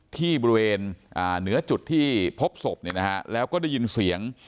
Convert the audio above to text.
ที่บริเวณเหนือจุดที่พบศพเนี่ยนะฮะแล้วก็ได้ยินเสียง